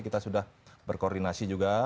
kita sudah berkoordinasi juga